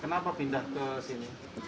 kenapa pindah ke sini